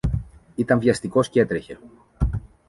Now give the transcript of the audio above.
Ήταν βιαστικός κι έτρεχε.